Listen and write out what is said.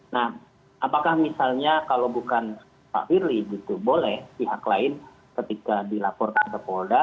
nah apakah misalnya kalau bukan pak firly gitu boleh pihak lain ketika dilaporkan ke polda